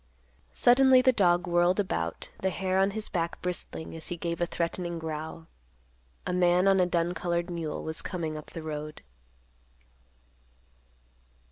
Suddenly the dog whirled about, the hair on his back bristling as he gave a threatening growl. A man on a dun colored mule was coming up the road.